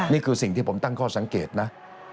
นี่คือสิ่งที่ผมตั้งข้อสังเกตนะ